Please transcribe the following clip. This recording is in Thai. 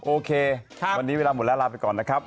โอเควันนี้เวลาหมดแล้วลาไปก่อนนะครับ